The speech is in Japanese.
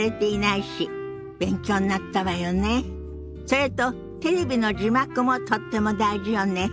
それとテレビの字幕もとっても大事よね。